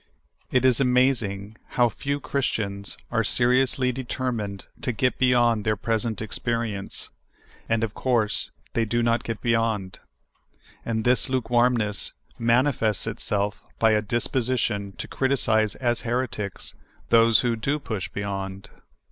It is amazing how few Christians are seriously de termined to get bej^ond their present experience ; and of course the}^ do not get beyond. And this luke warmness manifests itself by a disposition to criticise as heretics those who do push be3'ond.